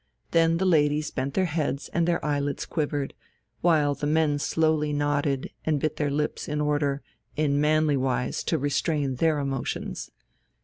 Then the ladies bent their heads and their eyelids quivered, while the men slowly nodded and bit their lips in order, in manly wise, to restrain their emotions....